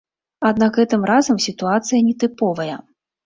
Аднак гэтым разам сітуацыя нетыповая.